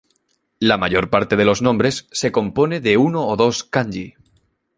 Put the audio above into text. La mayor parte de los nombres se compone de uno o dos "kanji".